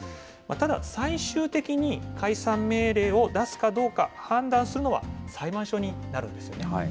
ただ、最終的に解散命令を出すかどうか判断するのは、裁判所になるんですよね。